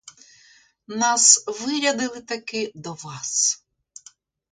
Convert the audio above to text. Нас вирядили таки до вас.